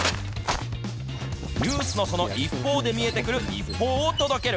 ニュースのその一方で見えてくるＩＰＰＯＵを届ける。